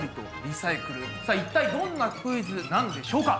さあ一体どんなクイズなんでしょうか？